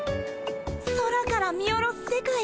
空から見下ろす世界